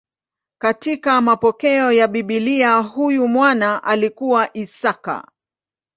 Katika mapokeo ya Biblia huyu mwana alikuwa Isaka.